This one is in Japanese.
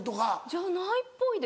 じゃないっぽいですね。